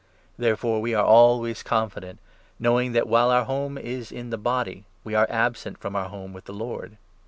Therefore we are always confident, knowing that, while our 6 home is in the body, we are absent from our home with the Lord.